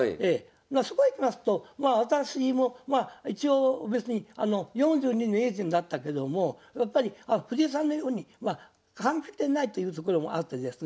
そこへきますとまあ私も一応別に４２で名人になったけども藤井さんのようにまあ完璧でないというところもあってですね